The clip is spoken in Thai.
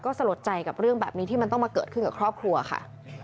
สลดใจกับเรื่องแบบนี้ที่มันต้องมาเกิดขึ้นกับครอบครัวค่ะ